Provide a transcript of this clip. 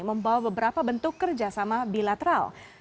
membawa beberapa bentuk kerjasama bilateral